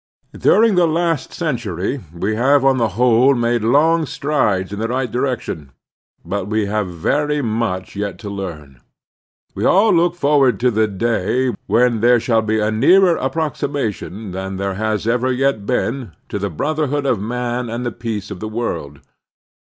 During the last century we have on the whole made long strides in the right direction, but we have very much yet to learn. We all look 222 The Strenuous Life forward to the day when there shall be a nearer approximation than there has ever yet been to the brotherhood of man and the peace of the world.